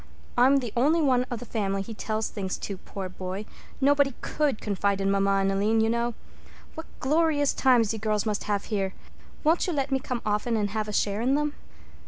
I'm the only one of the family he tells things to, poor boy—nobody could confide in mamma and Aline, you know. What glorious times you girls must have here! Won't you let me come often and have a share in them?"